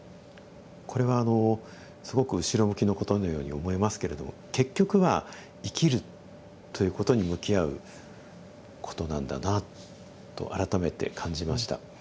これはあのすごく後ろ向きのことのように思えますけれども結局は生きるということに向き合うことなんだなと改めて感じました。